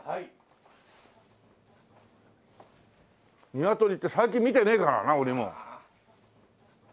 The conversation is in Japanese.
ニワトリって最近見てねえからな俺も。